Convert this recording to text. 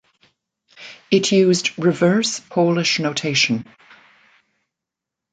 It used Reverse Polish Notation.